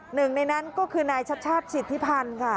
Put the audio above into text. หนึ่งในนั้นก็คือนายชัดชาติสิทธิพันธ์ค่ะ